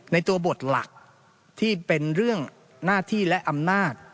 ในตัวบทหลักที่เป็นเรื่องหน้าที่และอำนาจ